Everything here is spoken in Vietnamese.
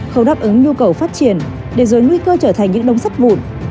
không đáp ứng nhu cầu phát triển để rồi nguy cơ trở thành những đông sắt vụn